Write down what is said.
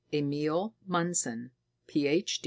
Emil Mundson, Ph.